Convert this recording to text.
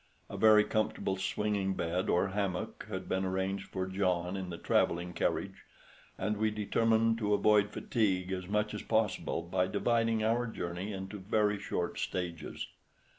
A very comfortable swinging bed or hammock had been arranged for John in the travelling carriage, and we determined to avoid fatigue as much as possible by dividing our journey into very short stages.